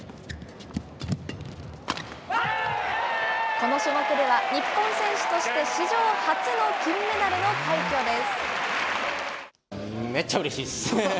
この種目では、日本選手として史上初の金メダルの快挙です。